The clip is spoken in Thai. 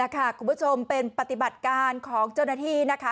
คุณผู้ชมเป็นปฏิบัติการของเจ้าหน้าที่นะคะ